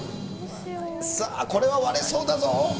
さあ、これは割れそうだぞ。